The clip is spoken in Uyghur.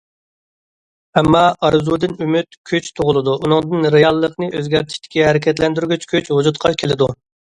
ئەمما، ئارزۇدىن ئۈمىد، كۈچ تۇغۇلىدۇ، ئۇنىڭدىن رېئاللىقنى ئۆزگەرتىشتىكى ھەرىكەتلەندۈرگۈچ كۈچ ۋۇجۇدقا كېلىدۇ.